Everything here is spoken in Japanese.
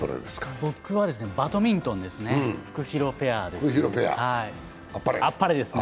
僕はバドミントンです、フクヒロペアですね。